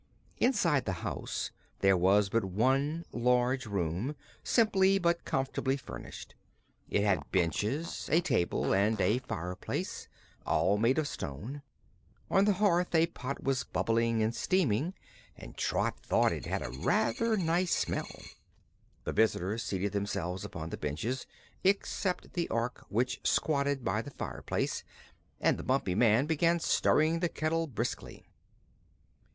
Inside the house there was but one large room, simply but comfortably furnished. It had benches, a table and a fireplace, all made of stone. On the hearth a pot was bubbling and steaming, and Trot thought it had a rather nice smell. The visitors seated themselves upon the benches except the Ork. which squatted by the fireplace and the Bumpy Man began stirring the kettle briskly.